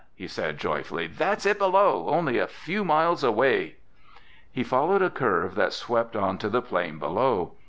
he said joyfully. "That's it below—only a few miles away!" He followed a curve that swept onto the plain below.